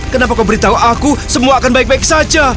kenapa kau beritahu aku semua akan baik baik saja